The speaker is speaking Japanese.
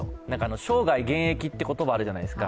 生涯現役という言葉があるじゃないですか。